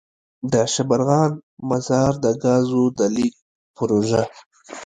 دشبرغان -مزار دګازو دلیږد پروژه.